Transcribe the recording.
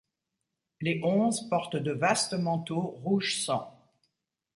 Les Onze portent de vastes manteaux rouge sang.